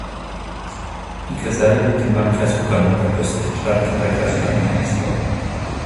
Die Kaserne liegt im Landkreis Uckermark am östlichen Stadtrand der Kreisstadt Prenzlau.